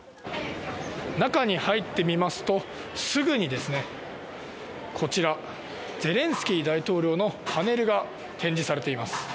中に入ってみますとすぐにこちら、ゼレンスキー大統領のパネルが展示されています。